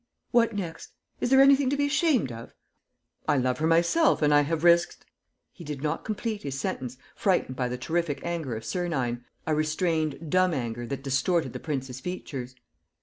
..." "What next? Is there anything to be ashamed of? I love her myself and I have risked ..." He did not complete his sentence, frightened by the terrific anger of Sernine, a restrained, dumb anger that distorted the prince's features.